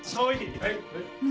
はい。